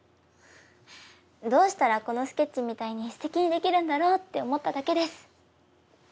どうしたらこのスケッチみたいにすてきにできるんだろうって思っただけです。